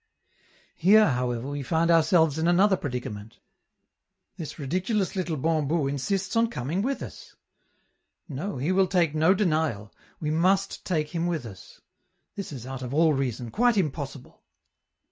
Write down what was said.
Here, however, we find ourselves in another predicament: this ridiculous little Bambou insists upon coming with us! No, he will take no denial, we must take him with us. This is out of all reason, quite impossible!